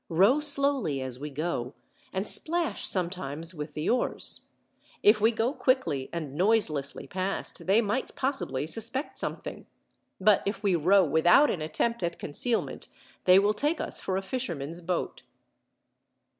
"Row slowly as we go, and splash sometimes with the oars. If we go quickly and noiselessly past, they might possibly suspect something, but if we row without an attempt at concealment, they will take us for a fisherman's boat."